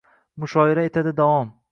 Mushoira etadi davom